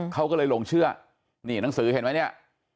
เขาก็เลยหลงเชื่อนี่หนังสือเห็นไหมเนี่ย